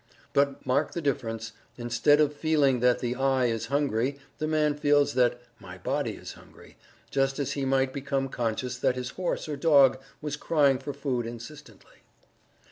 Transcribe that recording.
But mark the difference instead of feeling that the "I" is hungry the man feels that "my body" is hungry, just as he might become conscious that his horse or dog was crying for food insistently.